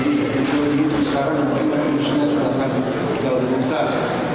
itu sekarang mungkin usia sudah akan jauh lebih besar